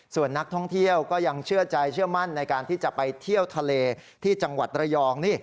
ส่วนนักท่องเที่ยวก็ยังเชื่อใจเชื่อมั่นในการที่จะไปเที่ยวทะเลที่จังหวัดระยอง